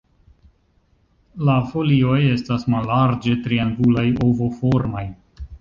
La folioj estas mallarĝe triangulaj- ovoformaj.